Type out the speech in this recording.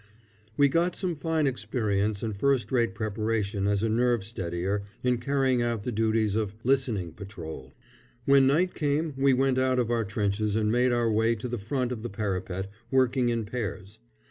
We got some fine experience and first rate preparation as a nerve steadier in carrying out the duties of "listening patrol." When night came we went out of our trenches and made our way to the front of the parapet, working in pairs.